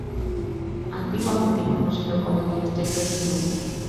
Antiguamente conocido como Ministerio de Fomento.